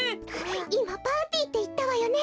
いまパーティーっていったわよね？